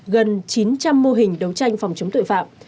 gần chín trăm linh mô hình đấu tranh phòng chống tội phạm